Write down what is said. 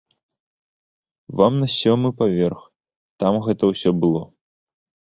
Вам на сёмы паверх, там гэта ўсё было.